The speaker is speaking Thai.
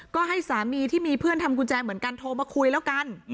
ก็ให้สามีที่มีเพื่อนทำกุญแจเหมือนกันโทรมาคุยแล้วกัน